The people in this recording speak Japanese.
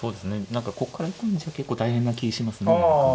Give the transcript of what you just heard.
何かここから行くんじゃ結構大変な気しますね。